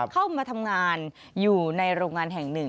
เข้ามาทำงานอยู่ในโรงงานแห่งหนึ่ง